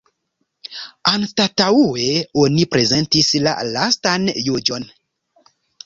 Anstataŭe oni prezentis la Lastan Juĝon.